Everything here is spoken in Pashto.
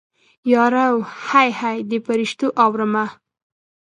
یارو هی هی د فریشتو اورمه